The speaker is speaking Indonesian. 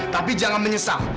tapi jangan menyesal